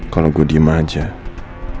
kalau gue diam diam